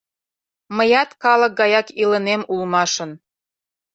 Мыят калык гаяк илынем улмашын.